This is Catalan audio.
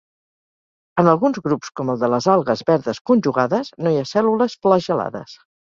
En alguns grups com el de les algues verdes conjugades, no hi ha cèl·lules flagel·lades.